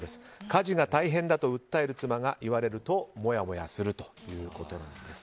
家事が大変だと訴える妻が言われるともやもやするということです。